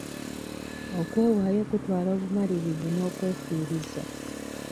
Okwewaayo kutwala obumalirivu n'okwefiiriza.